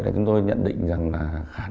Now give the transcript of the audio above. mặc áo như thế này không